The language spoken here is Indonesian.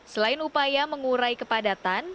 selain upaya mengurai kepadatan